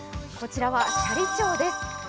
こちらは斜里町です。